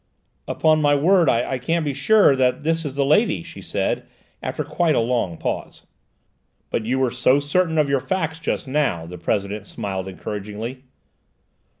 "Upon my word I can't be sure that this is the lady," she said after quite a long pause. "But you were so certain of your facts just now," the President smiled encouragingly.